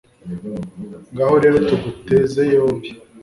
ngaho rero tuguteze yombi